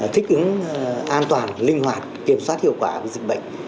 thích ứng an toàn linh hoạt kiểm soát hiệu quả dịch bệnh